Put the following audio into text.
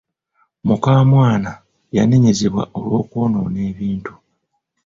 Mukamwana yaneenyezebwa olw'okwonoona ebintu.